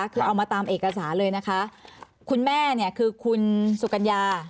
คือเอามาตามเอกสารเลยนะคะคุณแม่เนี่ยคือคุณสุกัญญา